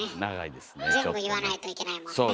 全部言わないといけないもんね。